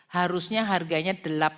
harusnya harganya delapan belas lima ratus